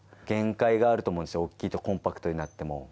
限界があると思うんですよ、大きいと、コンパクトになっても。